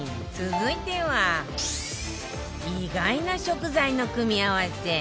続いては意外な食材の組み合わせ